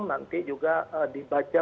nanti juga dibaca